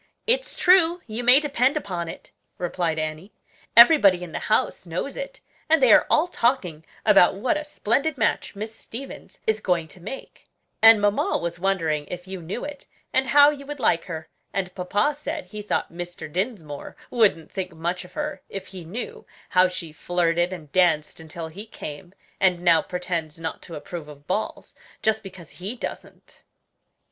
"It's true, you may depend upon it," replied Annie; "everybody in the house knows it, and they are all talking about what a splendid match Miss Stevens is going to make; and mamma was wondering if you knew it, and how you would like her; and papa said he thought Mr. Dinsmore wouldn't think much of her if he knew how she flirted and danced until he came, and now pretends not to approve of balls, just because he doesn't."